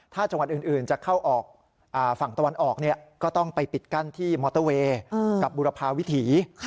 ถ้าจังหวัดอื่นจะเข้าออกฝั่งตะวันออกก็ต้องไปปิดกั้นที่มอเตอร์เวย์กับบุรพาวิถี